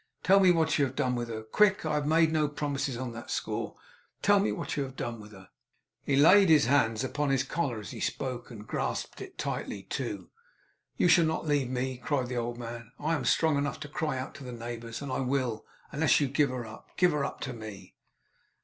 Tell me what you have done with her. Quick! I have made no promises on that score. Tell me what you have done with her.' He laid his hands upon his collar as he spoke, and grasped it; tightly too. 'You shall not leave me!' cried the old man. 'I am strong enough to cry out to the neighbours, and I will, unless you give her up. Give her up to me!